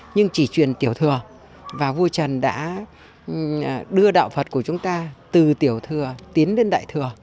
nhưng chỉ truyền tiểu thừa và vua trần đã đưa đạo phật của chúng ta từ tiểu thừa tiến lên đại thừa